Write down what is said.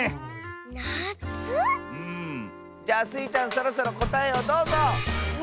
じゃあスイちゃんそろそろこたえをどうぞ！